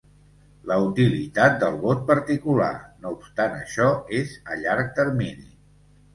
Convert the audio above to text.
La utilitat del vot particular, no obstant això, és a llarg termini.